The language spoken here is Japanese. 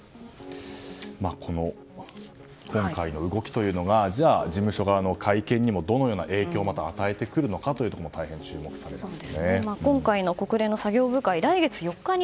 この今回の動きというのがじゃあ、事務所側の会見にもどのような影響を与えてくるのか大変注目されますね。